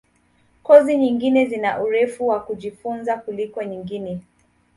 Kozi nyingine zina urefu wa kujifunza kuliko nyingine.